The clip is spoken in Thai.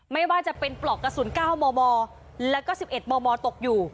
ไม่ว่าจะเป็นปลอกกระสุนเก้ามมแล้วก็สิบเอ็ดมมตกอยู่